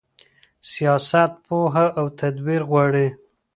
سياست پوهه او تدبير غواړي.